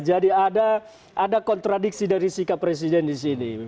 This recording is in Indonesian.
jadi ada kontradiksi dari sikap presiden di sini